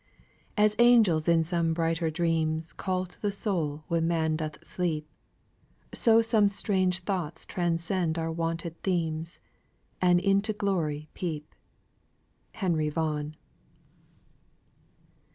"As angels in some brighter dreams Call to the soul when man doth sleep, So some strange thoughts transcend our wonted themes, And into glory peep." HENRY VAUGHAN.